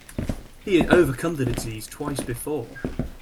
He had overcome the disease twice before.